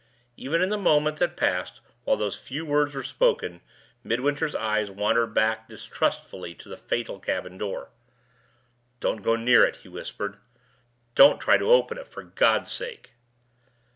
Even in the moment that passed while those few words were spoken, Midwinter's eyes wandered back distrustfully to the fatal cabin door. "Don't go near it!" he whispered. "Don't try to open it, for God's sake!"